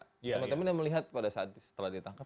teman teman yang melihat pada saat setelah ditangkap